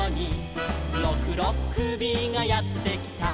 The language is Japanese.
「ろくろっくびがやってきた」